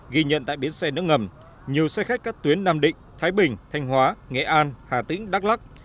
ghi nhận tại bến xe nước ngầm nhiều xe khách các tuyến nam định thái bình thanh hóa nghệ an hà tĩnh đắk lắc